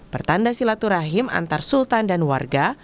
pertanda silaturahim antar sultan dan warga